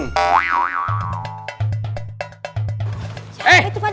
siapa itu pak